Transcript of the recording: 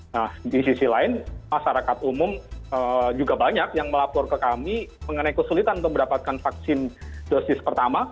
nah di sisi lain masyarakat umum juga banyak yang melapor ke kami mengenai kesulitan untuk mendapatkan vaksin dosis pertama